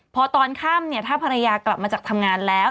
พอตอนข้ามถ้าภรรยากลับมาจากทำงานแล้ว